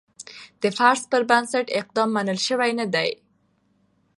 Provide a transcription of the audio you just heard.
د فرض پر بنسټ اقدام منل شوی نه دی.